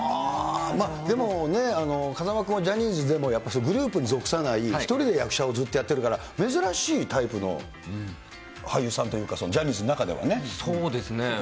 でもね、風間君はジャニーズでもやっぱり、グループに属さない、一人で役者をずっとやってるから、珍しいタイプの俳優さんというか、ジャニそうですね。